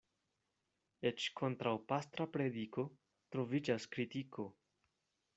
Eĉ kontraŭ pastra prediko troviĝas kritiko.